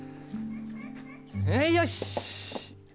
よし！